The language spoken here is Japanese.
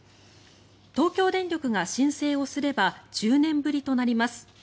東京電力が申請をすれば１０年ぶりとなります。